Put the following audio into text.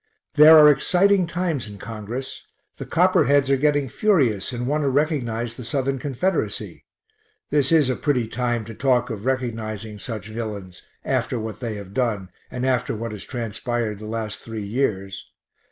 There are exciting times in Congress the Copperheads are getting furious and want to recognize the Southern Confederacy. This is a pretty time to talk of recognizing such villains after what they have done, and after what has transpired the last three years.